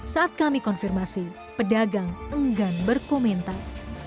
saat kami konfirmasi pedagang enggan berkomentar